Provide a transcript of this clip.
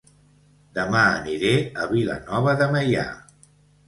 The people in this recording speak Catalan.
Dema aniré a Vilanova de Meià